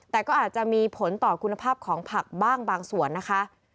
แต่ก็อาจจะมีผลต่อคุณภาพของผักบ้างบางส่วนนะคะ